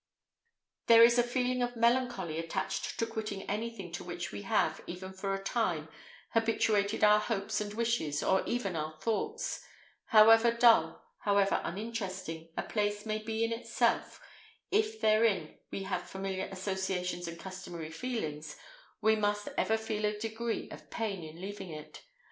There is a feeling of melancholy attached to quitting anything to which we have, even for a time, habituated our hopes and wishes, or even our thoughts: however dull, however uninteresting, a place may be in itself, if therein we have familiar associations and customary feelings, we must ever feel a degree of pain in leaving it.